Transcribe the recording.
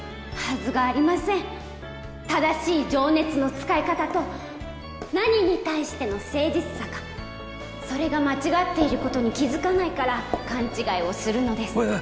正しい情熱の使い方と何に対しての誠実さかそれが間違っていることに気づかないから勘違いをするのですおいおい